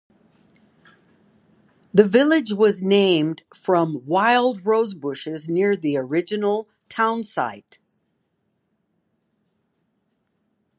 The village was named from wild rose bushes near the original town site.